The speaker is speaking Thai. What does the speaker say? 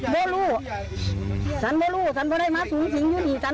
มันก็คิดอยู่ใจคุณเนอะ